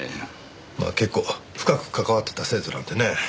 まあ結構深く関わってた制度なんでね。